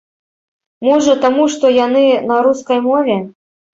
Можа, таму што яны на рускай мове?